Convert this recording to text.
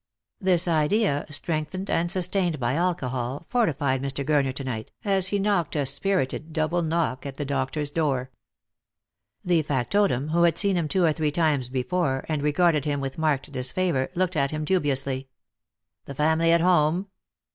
This idea, strengthened and sustained by alcohol, fortified Mr. Gurner to night, as he knocked a spirited double knock at the doctor's door. The factotum, who had seen him two or three times be fore, and regarded him with marked disfavour, looked at him dubiously. "Ihe family at home?"